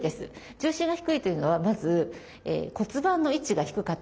重心が低いというのはまず骨盤の位置が低かったりします。